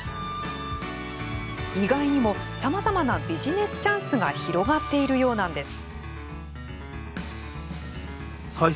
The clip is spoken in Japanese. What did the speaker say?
意外にもさまざまなビジネスチャンスが広がっているようなんです。